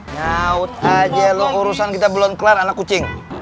nyaut aja lu urusan kita belum kelar anak kucing